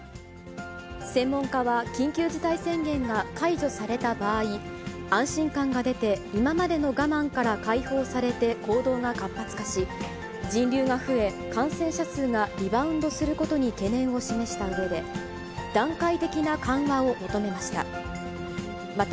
専門家は緊急事態宣言が解除された場合、安心感が出て、今までの我慢から解放されて、行動が活発化し、人流が増え、感染者数がリバウンドすることに懸念を示したうえで、段階的な緩和を求めました。